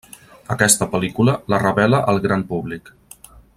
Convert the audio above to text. Aquesta pel·lícula la revela al gran públic.